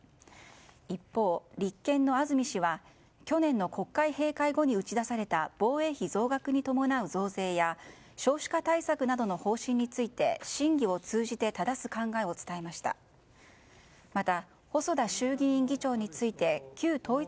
一方、立件の安住氏は去年の国会閉会後に打ち出された防衛費増額に伴う増税や少子化対策などの方針について審議を通じてただす考えを伝えました。